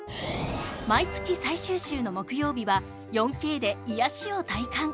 毎月、最終週の木曜日は４Ｋで癒やしを体感。